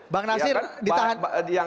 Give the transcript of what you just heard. bang nasir ditahan